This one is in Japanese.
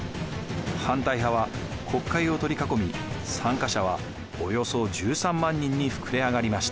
反対派は国会を取り囲み参加者はおよそ１３万人に膨れ上がりました。